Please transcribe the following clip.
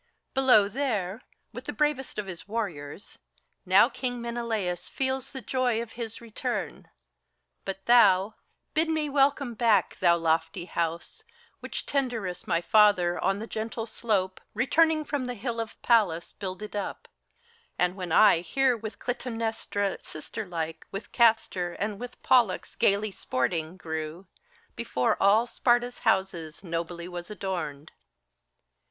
Below there, with the bravest of his warriors, now King Menelaus feels the joy of his return ; But thou, bid me welcome back, thou lofty House Which Tyndarus, my father, on the gentle slope, Returning from the Hill of Pallas, builded up ; And when I here with Clytemnestra sister like, With Castor and with Pollux gayly sporting, grew, Before all Sparta's houses nobly was adorned.